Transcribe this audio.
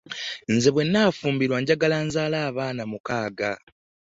Nze bwe nafumbirwa njagala nzaale abaana mukaaga.